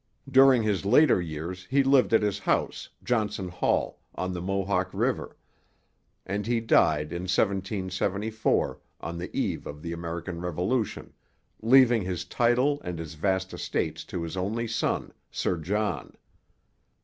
During his later years he lived at his house, Johnson Hall, on the Mohawk river; and he died in 1774, on the eve of the American Revolution, leaving his title and his vast estates to his only son, Sir John.